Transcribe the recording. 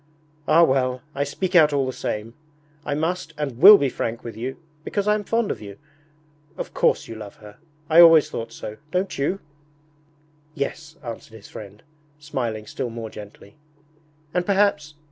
'Ah well, I will speak out all the same ... I must and will be frank with you because I am fond of you ... Of course you love her I always thought so don't you?' 'Yes,' answered his friend, smiling still more gently. 'And perhaps...'